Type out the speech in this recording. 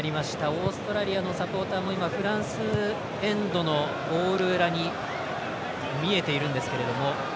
オーストラリアのサポーターもフランスエンドのゴール裏に見えているんですけども。